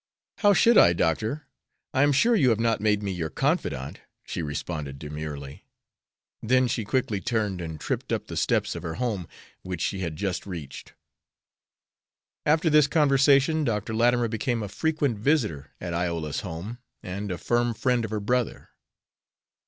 "How should I, Doctor? I am sure you have not made me your confidante," she responded, demurely; then she quickly turned and tripped up the steps of her home, which she had just reached. After this conversation Dr. Latimer became a frequent visitor at Iola's home, and a firm friend of her brother.